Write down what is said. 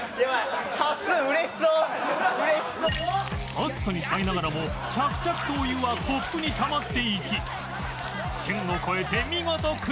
熱さに耐えながらも着々とお湯はコップにたまっていき線を超えて見事クリア！